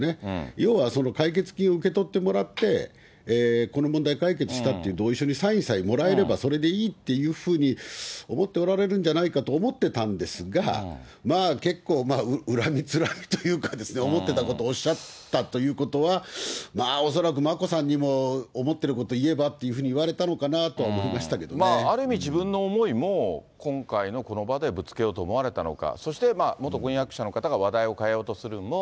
要は解決金を受け取ってもらって、この問題解決したという同意書にサインさえもらえればそれでいいっていうふうに、思っておられるんじゃないかと思ってたんですが、結構まあ、恨みつらみというか、思ってたことおっしゃったということは、恐らく眞子さんにも、思ってること言えばっていうふうに言われたのかなと思いましたけある意味、自分の思いも今回のこの場でぶつけようと思われたのか、そして元婚約者の方が話題を変えようとするのを。